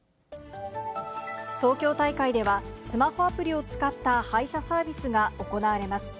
東京大会では、スマホアプリを使った配車サービスが行われます。